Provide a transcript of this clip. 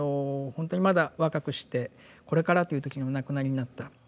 本当にまだ若くしてこれからという時にお亡くなりになった。